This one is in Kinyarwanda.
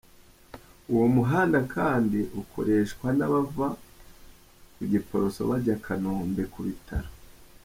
Uwo muhanda kandi ukoreshwa n’abava ku Giporoso bajya i Kanombe ku bitaro.